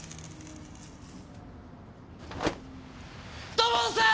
土門さん！